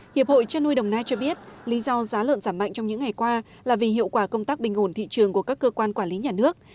hiệp hội trăn nuôi đồng nai cho biết lý do giá lợn giảm mạnh trong những ngày qua là vì hiệu quả công tác bình ổn thị trường của các cơ quan quản lý nhà nước